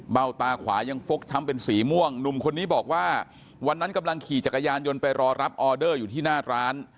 ตาขวายังฟกช้ำเป็นสีม่วงหนุ่มคนนี้บอกว่าวันนั้นกำลังขี่จักรยานยนต์ไปรอรับออเดอร์อยู่ที่หน้าร้าน